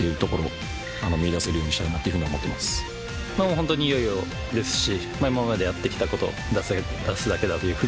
ホントにいよいよですし。